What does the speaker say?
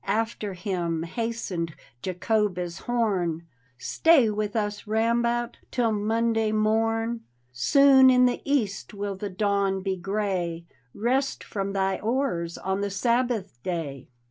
After him hastened Jacobus Horn: " Stay with us, Rambout, till Monday morn. Soon in tkt east will the dawn be gray. Rest from thy oars on the Sabbath Day."